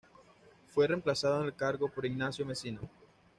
Fue reemplazado en el cargo por Ignazio Messina.